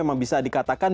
yang bisa dikatakan